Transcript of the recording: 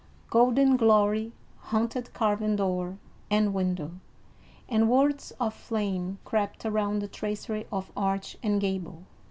Golden glory haunted carven door and window, and words of flame crept around the tracery of arch and gable.